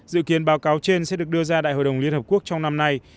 dự kiến báo cáo trên sẽ được đưa ra đại hội đồng liên hợp quốc trong năm nay